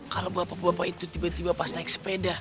kalau bapak bapak itu tiba tiba pas naik sepeda